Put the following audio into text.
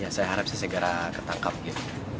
ya saya harap sih segera ketangkap gitu